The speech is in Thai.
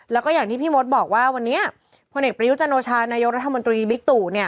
แล้วก็อย่างที่พี่มดบอกว่าวันนี้พลเอกประยุจันโอชานายกรัฐมนตรีบิ๊กตู่เนี่ย